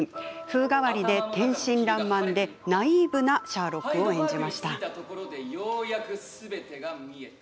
風変わりで天真らんまんでナイーブなシャーロックを演じました。